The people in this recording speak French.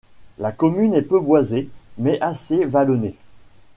La commune est peu boisée mais assez vallonnée.